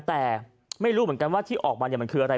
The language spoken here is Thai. แต่ไม่รู้เหมือนกันว่าที่ออกมามันคืออะไร